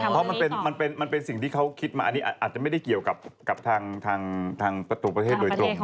เพราะมันเป็นสิ่งที่เขาคิดมาอันนี้อาจจะไม่ได้เกี่ยวกับทางประตูประเทศโดยตรง